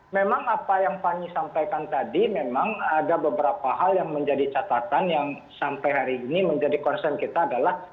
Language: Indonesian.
memang apa yang fanny sampaikan tadi memang ada beberapa hal yang menjadi catatan yang sampai hari ini menjadi concern kita adalah